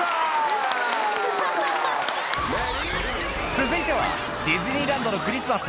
続いてはディズニーランドのクリスマス